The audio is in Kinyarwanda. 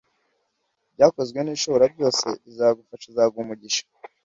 Byakozwe n’Ishoborabyose, izagufasha, izaguha umugisha